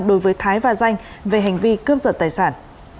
đối với thái và danh về hành vi cướp giật tài sản